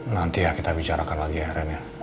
nanti ya kita bicarakan lagi ya ren ya